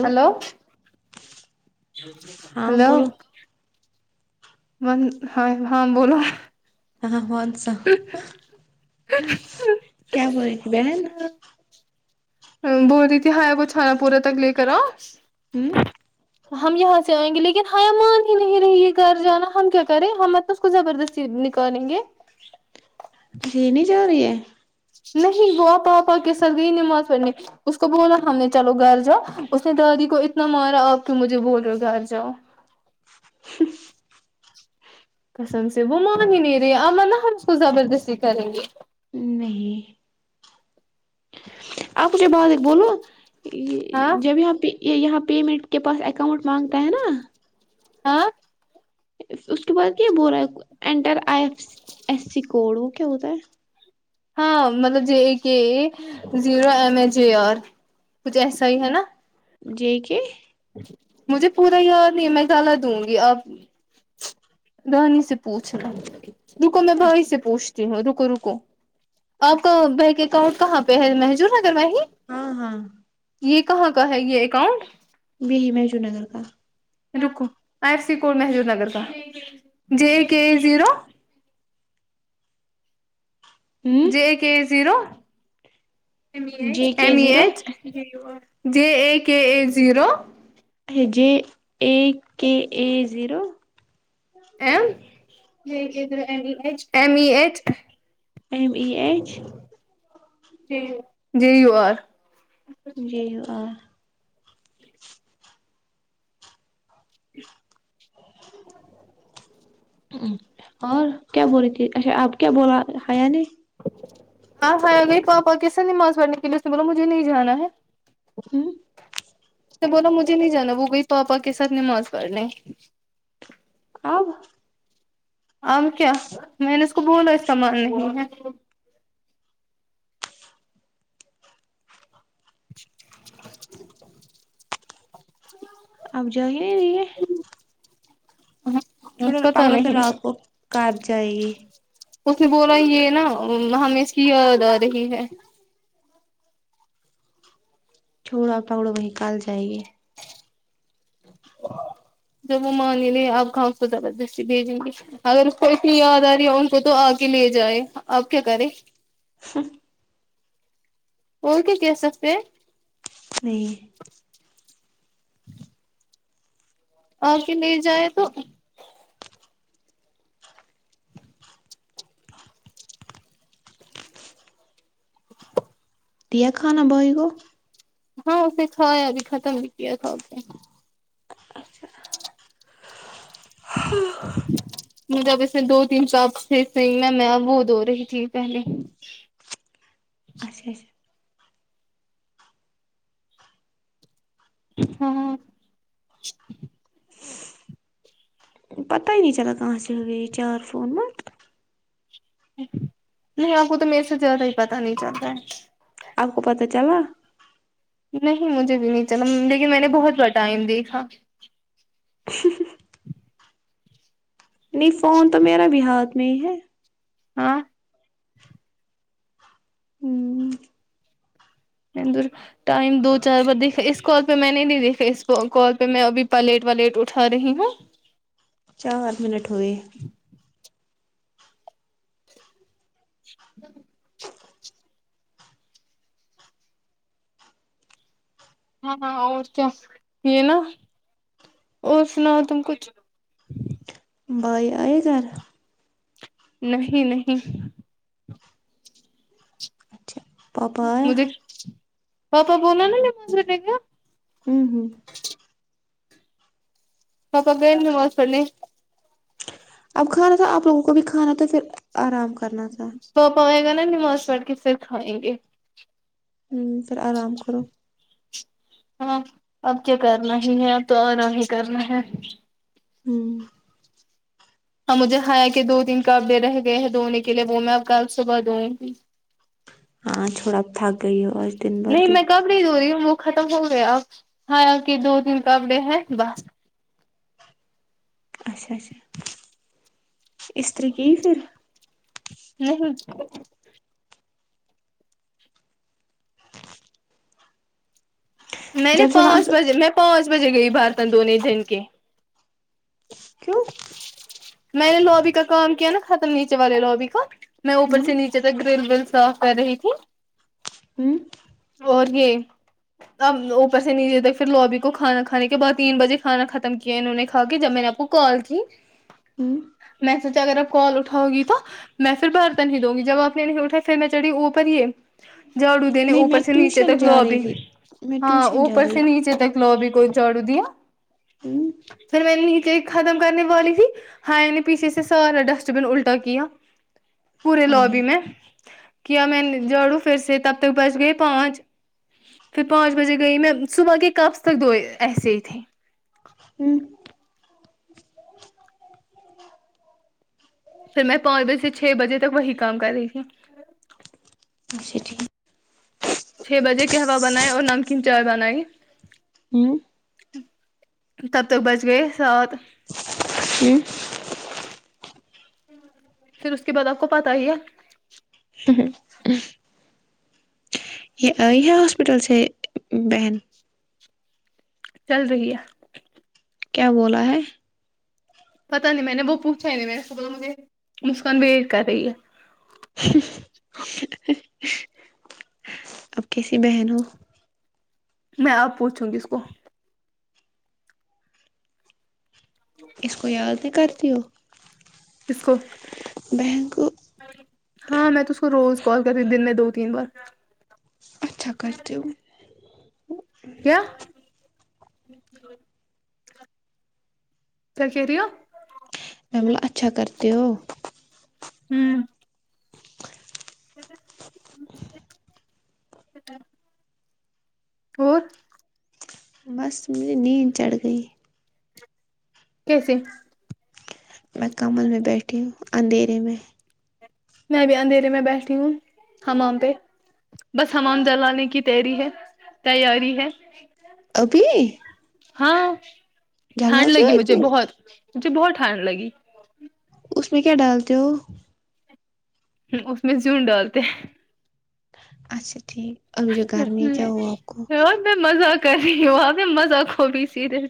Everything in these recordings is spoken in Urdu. ہیلو ہاں ہیلو بولو م ہائے ہاں بولو ہاں بوھت سا کیا بولی بہن ہمم بول رہی تھی ہیا وہ چھانا پورا تک لے کر آؤ ہ ہم یہاں سے آئیں گے لیکن ہم ہی نہیں رہی گھر جانا ہم کیا کریں ہم اس کو زبردستی نکالیں گے چینی جا رہی ہے نہیں وہ آپ پاپا کے سات گی نماز پڑھنے اس کو بولا ہم نے چلو گھر جاؤ اس نے دادی کو اتنا مارا آپ کی مجھے بول رہ ہو گھر جاؤ کسم سے وہ مان ہی نہیں رہی امان ہم کو زبردستی کریں گے نہیں آپ مجھے ب بولو ہاں جب یہاں یہاں پیمنٹ کے پاس اکاؤنٹ مانگتا ہے نا آاں اس کے بعد کیا بول رہا ہے enter I F S C code وہ کیا ہوتا ہے ہاں مطلب J A K zero M H A R کچھ ایسا ہی ہے نا جے کے مجھے پورا یاد نہیں ہے میں الہ دوں گی اپ رانی سے پوچھنا رکو میں بھائی اچھا سے پوچھتی ہوں رکو رکو آپ کا اچھا بک اکاؤنٹ کہاں پہ پے ہیں محجور نگر میں ہی ہاں ہاں یہ کہاں کا ہے یہ اکاؤنٹ بی ہی محشور نگر کا رکو I F C code Mahjoor Nagar کا جے کے زیرو ہ J K zero J M K E zero H [unintelligible] جے ا K A zero J A K A zero M K K پھر M E H M E H M E H G G U R G U R اور کیا بول رہی تھی اچھا آپ کیا بولا حیا نے آپ آیا گئی پاپا کیسے نماز پڑھنے کے لیے اس نے بولا مجھے نہیں جانا ہے ہوں سے بولا مجھے نہیں جانا وہ گئی پاپا کے ساتھ نماز پڑنے آب آم کیا میں نے اس کو بولا اس کا مان نہیں ہے آپ جائی نہیں رہیے چھوڑو پتا پکڑو پھر نہیں رات اس کو کار جائے گی اس نے بولا یہ نا ہمیں اس کی یاد آ رہی ہے چھوڑو پاڑو وہ کال جائے گی جب وہ مانگنی لے آپ گاؤ کو زبردستی بھیجیں گے اگر اس کو اتنی یاد آ رہی ہے ان کو تو آ کے لے جائے آپ کیا کریں اور کیا کہ سکتے ہے نہیں آ کے لے جائے تو دیا کھانا بھائی کو ہاں پھر کھایا بھی ختم بھی کیا کھاکے ہ مج جب اب اس نے دو تین ساپ سے س میں میں وہ دھو رہی تھی پہلے اچھا اچھا ہاں پتا ہی نہیں چلا کہا سے ریچار فون میں نہیں آپ کو تو میرے سے زیادہ ہی پتا نہیں چلتا ہے آپ کو پتہ چلا نہیں مجھے بھی نہیں چلا لیکن میں نے بہت بار ٹائم دیکھا نہیں فون تو میرا بھی ہاتھ میں ہی ہے ہاں ہوں بندر ٹائم دو چار بار دیکھا اس کال پہ میں نے نہیں دیکھا اس کال پہ میں ابھی پلیٹ وا لیٹ اٹھا رہی ہوں چار منٹ ہوئے [unintelligible] ہاں ہاں اور کیا یہ نا اور سناؤ تم کچھ بھائی آئے گھر نہیں نہیں اچھا پاپا آیا مجھے پاپا بولا نا نہیں مجھے دو ہوں ہوں پاپا گئے نماز پڑھنے اب کھانا تھا آپ لوگوں کو بھی کھانا تو پھر آرام کرنا تھا پاپا آے گا نا نماز پڑ کے پھر کھائیں گے پھر آرم کرو ہاں اب کیا کرنا ہی ہے اب تو اور آگے کرنا ہے ہوں ہاں مجھے ہایا کہ دو تین کپڑے رہ گئے ہیں دھونے کے لیے وہ میں اب کب صبح دھوگی ہاں تھوڑا تھک گئی ہو اور نہیں میں کپڑے دهو رہی ہوں وہ ختم ہو گیا اب ہایا کہ دو تین کپڑے ہیں بس اچھا اچھا استری کی پھر نہیں میں نے جب سے وہاں پانچ بجے میں پانچ بجے گئی برتن دھونے جن کے کیوں میں نے لوبی کا کام کیا نا ختم نیچے والے لوبی کا میں اوپر ہوں سے نیچے تک ڈرل ول صاف کر رہی تھی ہوں اور یہ اب وہ پیسے نہیں دیے تھے پھر لوبی کو کھانا کھانے کے بع تین بجے کھانا ختم کیا ہے انہوں کھا کے جب میں نے آپ کو کال کی ہوں میسج اگر اپ کال اٹھاؤ گی تو میں پھر برتا نہیں دوں گی جب آپ نے نہیں اٹھا پھر میں چڑھی اوپر یہ جھاڑو دینے نہیں اوپر میں سے نیچے ٹیوشن تک جا رہی لوابی تھی میں ہاں ٹیوشن جا اوپر رہی سے نیچے تک لو بھی کوئی چاڑودیا ہوں پھر میں نے نیچے ختم کرنے والی تھی ہھائی نے پیچھے سے سارا ڈسٹ بن الٹا کیا پورے ہائے ہائے لوبی میں کیا میں جڑوں پھر سے تب تک بچ گئے پانچ پھر پانچ بجے گئی میں صبح کے کبص تک دو ایسے ہی تھی ہوں پھر میں پانچ بجے سے چھ بجے تک وہی کام کر رہی تھی جی ٹھیک چھ بجے کے ہلو بنائے اور نمکین چائے بنائی ہوں تب تک بچ گئے سات پھر اس کے بعد آپ کو پتہ ہی ہے ہ یہ آئی ہے ہاسپٹل سے بہن چل رہی ہے کیا بولا ہے پتا نہیں میں نے وہ پوچھا ہی نہیں میں نے بو مجھے مسکان ویٹ کر رہی ہے اب کیسی بہن ہو میں اب پوچھوں گی اس کو اس کو یاد نہیں کرتی ہو کس کو بہن کو ہاں میں تو اس کو روز کال کر رہی دن میں دو تین بار اچھا کرتے ہو کیا کیا کہہ رہی ہو میں نے بولا اچھا کرتے ہو ہوں اور بس مجھے نیند چڑھ گئی کیسے میں کمنبل میں بیٹھی ہوں اندھیرے میں میں ا بھی اندھیرے میں بیٹھی ہوں حمام پہ بس حمام جلانے کی تیری ہے تیاری ہے ابھی ہاں ٹھانڈ جلاتے ہو لگی مجھے اتنی بہت مجھے بہت ٹھانڈ لگی اس میں کیا ڈالتے ہو اس میں زون ڈالتے ہیں اچھا ٹھیک ابھی جو گرمی ہے کیا ہوا آپ کو اور میں مزہ کر رہی ہوں وہاں میں مزہ کو بھی سیدھے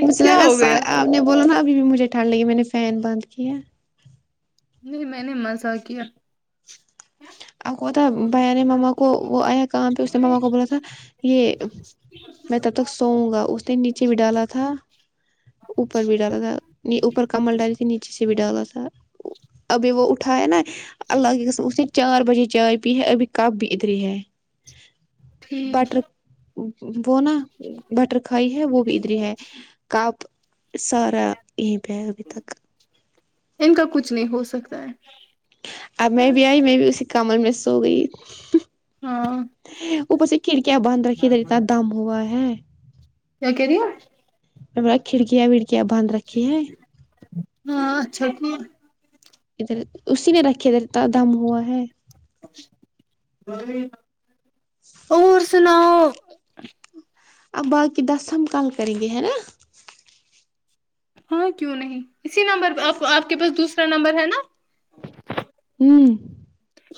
مجھے لگا آپ نے بولا نا ابھی بھی مجھے ٹھنڈ لگی میں نے فین بند کیا ہے نہیں میں نے مزہ کیا اب کو تھا بہرے مما کو وہ آیا کام پہ اس نے ماما کو بولا تھا یہ میں تب تک سوؤں گا اس نے نیچے بھی ڈالا تھا اوپر بھی ڈالا تھا اوپر کمل ڈالی تھی نیچ ا سے بھی ڈالا تھا ابھی وہ اٹھا ہے نا اللہ کی قسم اس نے بہی چائے پی ہے ابھی کپ بھی ادری ہے ٹھیک بٹر وہ نا بٹر کھائی ہے وہ بھی ادری ہے کاپ سارا یہی پہ ہے ابھی تک ان کا کچھ نہیں ہو سکتا ہے اب میں بھی آئی میں بھی اسی کمل میں سو گئی ہاں اوپر سے کھڑکیاں بانند رکھی ہے دیتا دم ہوا ہے کیا کہہ رہی ہو وے کھڑکیاں وڑکیاں باندھ رکھی ہیں ہاں اچھا کیا ادھر اسی نے رکھے ہے اتا دم ہوا ہے اور سناو اب باقی دس ہم کل کریں گے ہے نا ہاں کیوں نہیں اسی نمبر پہ آپ آپ کے پاس دوسرا نمبر ہے نا امم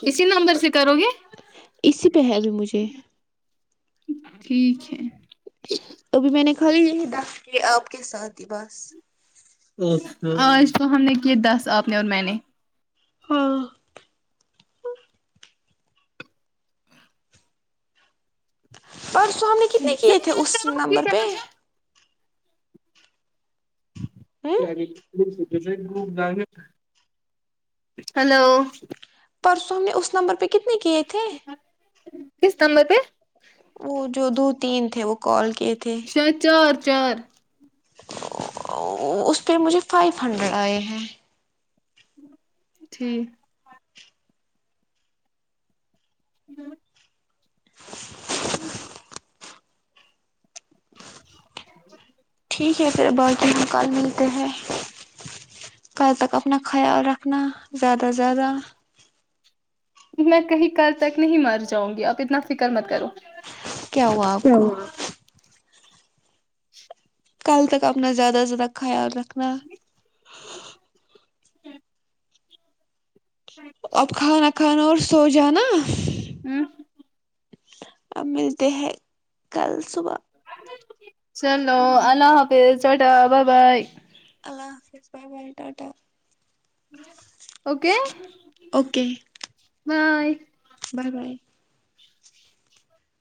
اسی نمبر سے کرو گے اسی پہ ہے وہ مجھے ٹھیک ہے ابھی میں نے کال یہ دس کے آپ کے ساتھ ہی بس آج تو ہم نے کیے دس آپ نے اور میں نے ہاں پرسوں ہم نے کتنے کیے تھے اس نمبر پہ س ہ س ب ج ہے [unintelligible] ہلو پرسوں ہم نے اس نمبر پہ کتنے کیے تھے کس نمبر پہ وہ جو دو تین تھے وہ کال کیے تھے دس چار چار اس پہ مجھے فائیو ہنڈریڈ آئے ہیں ٹھیک ہ ٹھیک ہے پھر باے دین ہم کل ملتے ہیں کل تک اپنا خیال رکھنا زیادہ زیادہ میں کہیں کل تک نہیں مر جاؤں گی آپ اتنا فکر مت کرو کیا ہوا آپ کو کل تک اپنا زیادہ سے زیادہ خیال رکھنا [unintelligible] اب کھانا کھانا اور سو جانا ہم اب ملتے ہیں کل صبح چلو اللہ حافظ ٹاٹا بائے بائے اللہ حافظ bye bye tata okay okay bye bye bye